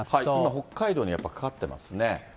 北海道にやっぱりかかってますね。